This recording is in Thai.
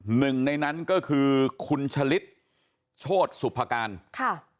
หนึ่งในนั้นก็คือคุณชะลิดโชธสุภาการค่ะ